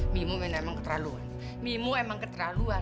mimu memang keteraluan mimu emang keteraluan